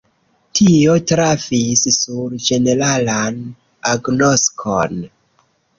Tio trafis sur ĝeneralan agnoskon.